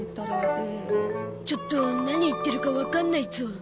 ちょっと何言ってるかわかんないゾ。